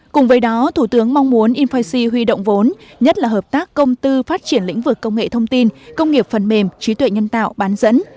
cùng với đó thủ tướng mong muốn infic huy động vốn nhất là hợp tác công tư phát triển lĩnh vực công nghệ thông tin công nghiệp phần mềm trí tuệ nhân tạo bán dẫn